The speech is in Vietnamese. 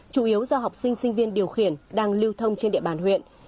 chủ yếu do học sinh sinh viên điều khiển đang lưu thông trên địa bàn huyện